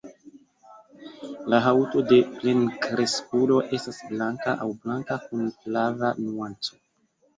La haŭto de plenkreskulo estas blanka aŭ blanka kun flava nuanco.